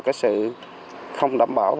cái sự không đảm bảo